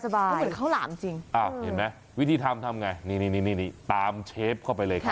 เขาเหมือนเขาหลามจริงอ้าวเห็นไหมวิธีทำทำไงนี่ตามเชฟเข้าไปเลยค่ะ